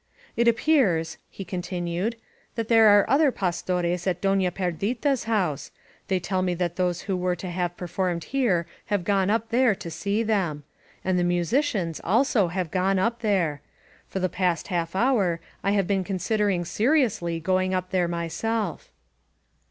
"It appears," he contin ued, "that there are other Pastores at Dona Perdita's house. They tell me that those who were to have per formed here have gone up there to see them. And the musicians have also gone up there. For the past half S13 INSURGENT MEXICO hour I have been considering seriously goin^ up there myself."